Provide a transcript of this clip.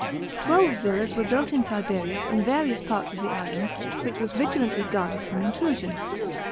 Twelve villas were built by Tiberius in various parts of the island, which was vigilantly guarded from intrusion.